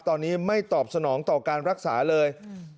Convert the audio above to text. ตอนนี้ไม่ตอบสนองต่อการรักษาเลย